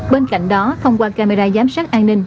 bên cạnh đó thông qua camera giám sát an ninh